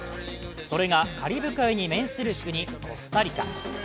それが、カリブ海に面する国、コスタリカ。